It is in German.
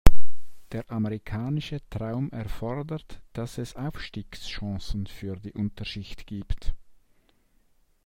Der amerikanische Traum erfordert, dass es Aufstiegschancen für die Unterschicht gibt.